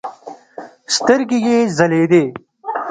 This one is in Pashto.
سترګې يې ځلېدې.